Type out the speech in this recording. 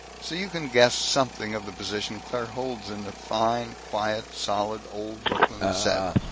So you can guess something of the position Claire holds in that fine, quiet, solid old Brooklyn set.